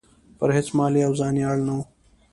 پر هیڅ مالي او ځاني اړ نه وو.